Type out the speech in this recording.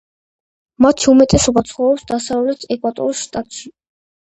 მათი უმეტესობა ცხოვრობს დასავლეთ ეკვატორიის შტატში.